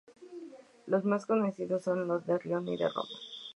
Los más conocidos son los Rioni de Roma.